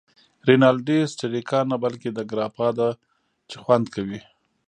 رینالډي: سټریګا نه، بلکې دا ګراپا ده چې خوند کوی.